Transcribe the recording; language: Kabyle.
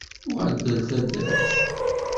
Uɣal-d ɣer taddart.